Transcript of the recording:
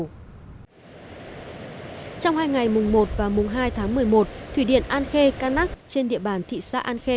trong hai ngày mùng một và mùng hai tháng một mươi một thủy điện an khê ca mắc trên địa bàn thị xã an khê